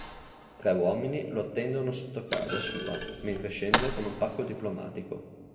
Tre uomini lo attendono sotto casa sua mentre scende con un pacco diplomatico.